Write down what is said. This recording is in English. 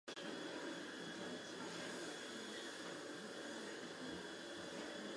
Wheatley was a lifelong Roman Catholic.